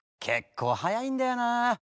結構早いんだよな。